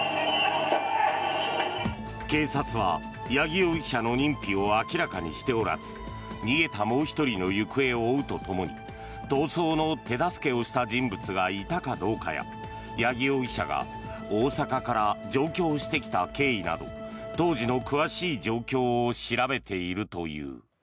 警察は八木容疑者の認否を明らかにしておらず逃げたもう１人の行方を追うとともに逃走の手助けをした人物がいたかどうかや八木容疑者が大阪から上京してきた経緯など当時の詳しい状況を調べているという。